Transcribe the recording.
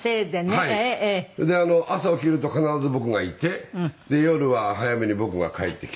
それで朝起きると必ず僕がいてで夜は早めに僕が帰ってきてっていうとか